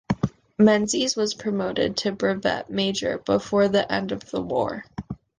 Menzies was promoted to brevet major before the end of the war.